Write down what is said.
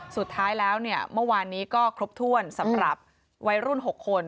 สุดท้ายแล้วเนี่ยเมื่อวานนี้ก็ครบถ้วนสำหรับวัยรุ่น๖คน